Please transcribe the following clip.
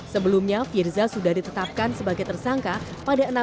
sebelumnya firza sudah ditetapkan sebagai tersangka pada enam belas mei dua ribu tujuh belas lalu